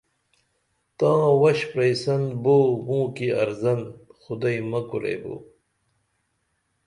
تاں وش پرئیسن بو موکی ارزن خُدئی مہ کوریبو